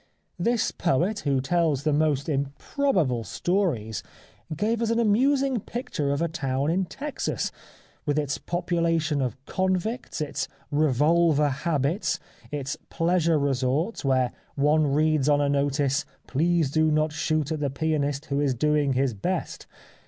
" This poet, who tells the most improbable stories, gives us an amusing picture of a town in Texas, with its population of convicts, its revolver habits, its pleasure resorts, where one reads on a notice :' Please not to shoot at the pianist who is doing his best.'